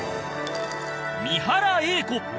三原栄子